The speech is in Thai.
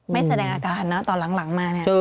ไม่แสดงอาการนะตอนหลังมานะครับ